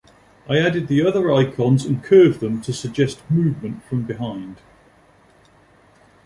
I added the other icons and curved them to suggest movement from behind.